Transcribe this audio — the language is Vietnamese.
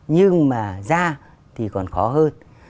nhưng mà ra thì còn khó hơn